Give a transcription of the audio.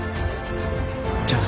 じゃあな